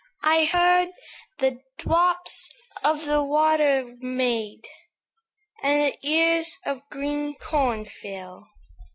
"I heard the drops of the water made. And the ears of the green corn fill."